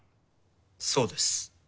そうです。